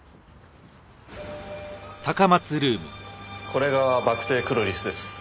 これがバクテクロリスです。